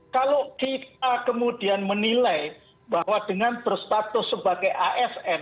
kalau kita kemudian menilai bahwa dengan berstatus sebagai asn